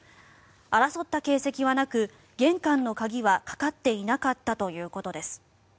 争った形跡はなく玄関の鍵はかかっていなかったということです。